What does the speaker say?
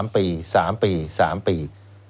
๓ปี๓ปี๓ปี